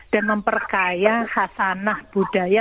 dan memperkaya khasanah budaya